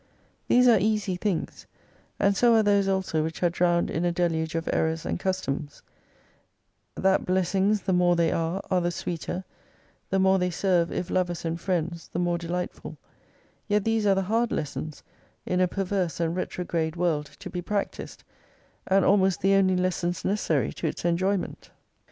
These are easy things, and so are those also which are drowned in a deluge of errors and customs ; That blessings the more they are, are the sweeter ; the more they serve, if lovers and friends, the more delightful, yet these are the hard lessons, in a perverse and retrograde world, to be practised : and almost the only lessons necessary to its enjoyment.